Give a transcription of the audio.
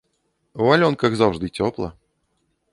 У валёнках заўжды цёпла.